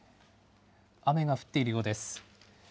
雨が降っているようです。